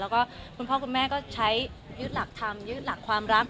แล้วก็คุณพ่อคุณแม่ก็ใช้ยึดหลักธรรมยึดหลักความรัก